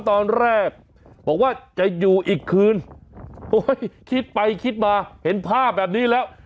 ตอนแรกบอกว่าจะอยู่อีกคืนโอ้ยคิดไปคิดมาเห็นภาพแบบนี้แล้ว